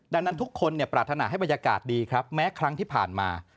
ดังนั้นทุกคนปรารถนาให้บรรยากาศดีครับแม้ครั้งที่ผ่านมา